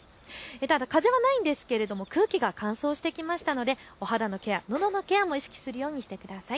ただ風はないんですが空気が乾燥してきましたのでお肌のケア、のどのケアも意識するようにしてください。